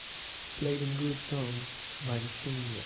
Play them good songs by The Singing Nun